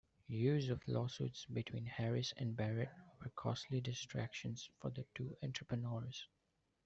Years of lawsuits between Harris and Barrett were costly distractions for the two entrepreneurs.